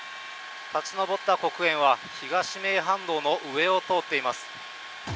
立ち上った黒煙は東名阪道の上を通っています。